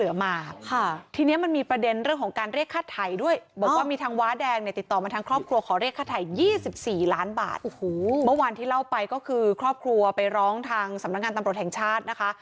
เมื่อวานที่เล่าไปก็คือครอบครัวไปร้องทางสำนักงานตำรวจแห่งชาตินะคะ